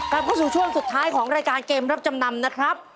กลับเข้าสู่ช่วงสุดท้ายของรายการเกมรับจำนำนะครับ